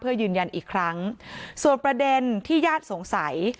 เพื่อยืนยันอีกครั้งส่วนประเด็นที่ญาติสงสัย